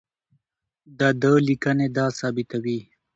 د ده لیکنې دا ثابتوي.